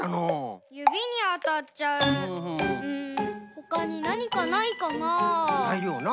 ほかになにかないかな？